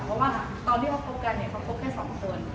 เพราะว่าตอนที่เขาคบกันเนี่ยเขาคบกันสองคน